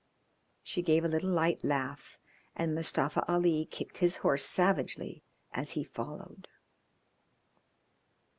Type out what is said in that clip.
She gave a little light laugh, and Mustafa Ali kicked his horse savagely as he followed.